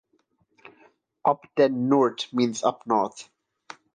Op ten Noort means "Up North".